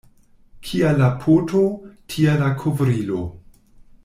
Kia la poto, tia la kovrilo.